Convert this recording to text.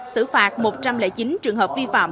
xử phạt một trăm linh chín trường hợp vi phạm